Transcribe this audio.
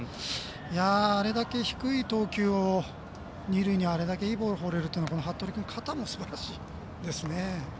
あれだけ低い投球を二塁にあれだけいいボールを放れるって服部君、肩もすばらしいですね。